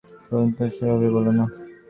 ওর সম্বন্ধে এভাবে বলো না।